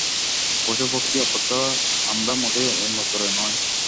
পশু-পক্ষী অপেক্ষা আমরা মোটেই উন্নততর নই।